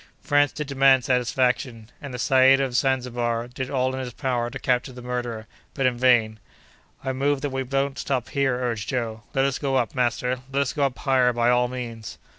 "France did demand satisfaction, and the Said of Zanzibar did all in his power to capture the murderer, but in vain." "I move that we don't stop here!" urged Joe; "let us go up, master, let us go up higher by all means."